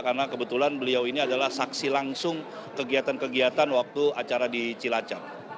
karena kebetulan beliau ini adalah saksi langsung kegiatan kegiatan waktu acara di cilacap